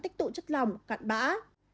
tích tụ chất lòng cạn bã